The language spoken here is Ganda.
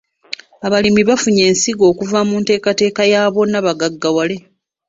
Abalimi bafunye ensigo okuva mu nteekateeka ya bonna bagaggawale.